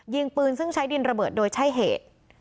ยิงปืนซึ่งใช้ดินระเบิดโดยใช่เหตุ